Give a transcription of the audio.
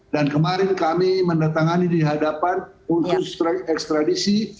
dan kemarin kami mendatangani di hadapan khusus ekstradisi